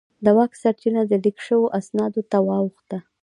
د واک سرچینه د لیک شوو اسنادو ته واوښته.